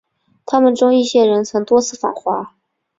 他们中的一些人曾多次访华。